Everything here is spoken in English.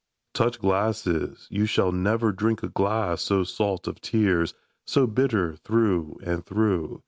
Touch glasses ! Tou shall never drink a glass So salt of tears, so bitter through and through.